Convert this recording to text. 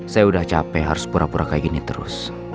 saya udah capek harus pura pura kayak gini terus